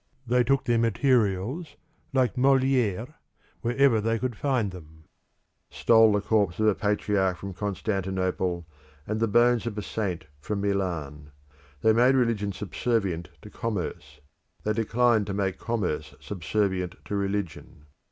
They took their materials, like Moličre, wherever they could find them stole the corpse of a patriarch from Constantinople, and the bones of a saint from Milan. They made religion subservient to commerce: they declined to make commerce subservient to religion.